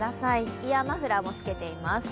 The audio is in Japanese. イヤーマフラーもつけています。